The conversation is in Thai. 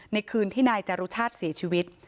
ในคืนที่นายจรุชาติเสียชีวิต